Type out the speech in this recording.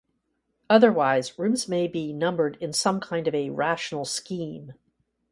Otherwise, rooms may be numbered in some kind of a rational scheme.